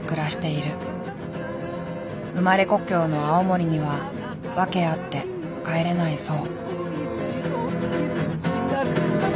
生まれ故郷の青森には訳あって帰れないそう。